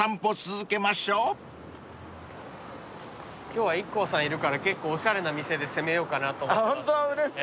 今日はＩＫＫＯさんいるから結構おしゃれな店で攻めようかなと思ってます。